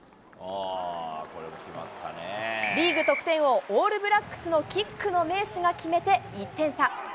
リーグ得点王、オールブラックスのキックの名手が決めて１点差。